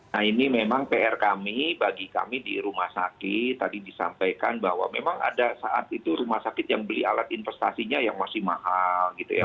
nah ini memang pr kami bagi kami di rumah sakit tadi disampaikan bahwa memang ada saat itu rumah sakit yang beli alat investasinya yang masih mahal gitu ya